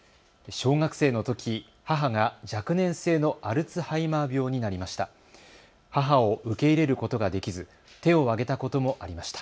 小学生のとき、母が若年性のアルツハイマー病になりました。